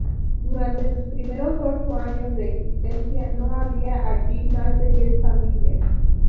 Durante sus primeros ocho años de existencia no había allí más de diez familias.